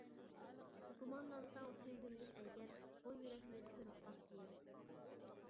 گۇمانلانساڭ سۆيگۈمدىن ئەگەر، بۇ يۈرەكنى كۆرۈپ باق يېرىپ.